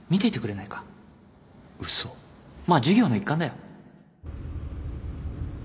まあ授業の一環だよ